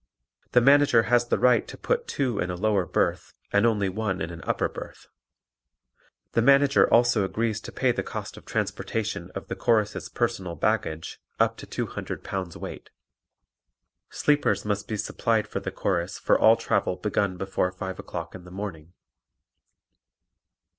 The Manager has the right to put two in a lower berth and only one in an upper berth. The Manager also agrees to pay the cost of transportation of the Chorus' personal baggage up to 200 pounds weight. Sleepers must be supplied for the Chorus for all travel begun before five o'clock in the morning.